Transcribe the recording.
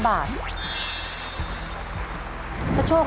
ถ้าตอบถูก๒ข้อรับ๑๐๐๐๐บาท